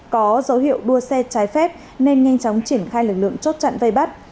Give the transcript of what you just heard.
có dấu hiệu đua xe trái phép nên nhanh chóng triển khai lực lượng chốt chặn vây bắt